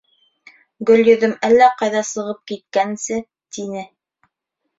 Гөлйөҙөм әллә ҡайҙа сығып киткәнсе... — тине.